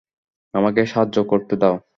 আমাকে সাহায্য করতে দাও।